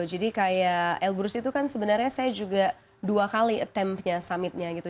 jadi kayak elbrus itu kan sebenarnya saya juga dua kali attemptnya summit nya gitu